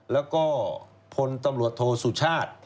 แล้วก็พลตำรวจโทษสุชาติ